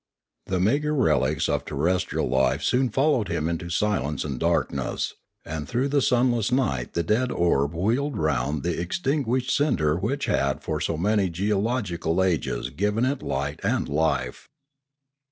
The meagre relics of terrestrial life soon followed him into silence and darkness, and through the sunless night the dead orb wheeled round the extinguished cinder which had for so many geo logical ages given it light and life.